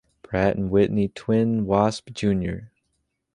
Pratt and Whitney Twin Wasp Junior.